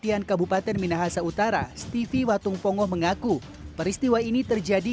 pelatihan kabupaten minahasa utara stevie watungpongoh mengaku peristiwa ini terjadi